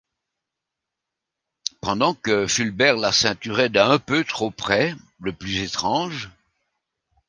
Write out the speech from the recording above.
pendant que Fulbert la ceinturait d'un peu trop près Le plus étrange.